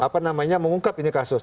apa namanya mengungkap ini kasus